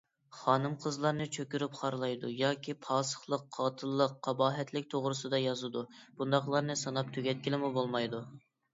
خانىم - قىزلارنى چۆكۈرۈپ خارلايدۇ ياكى پاسىقلىق، قاتىللىق، قاباھەتلىك توغرىسىدا يازىدۇ، بۇنداقلارنى ساناپ تۈگەتكىلىمۇ بولمايدۇ.